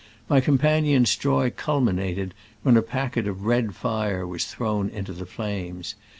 My companions' joy culminated when a packet of red fire was thrown into the flames.